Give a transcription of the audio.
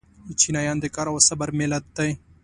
چینایان د کار او صبر ملت دی.